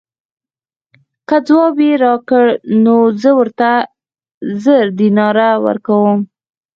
که ځواب یې راکړ نو زه ورته زر دیناره ورکووم.